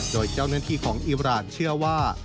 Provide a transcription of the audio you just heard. โดยเจ้าหน้าที่ของอิราณเชื่อว่า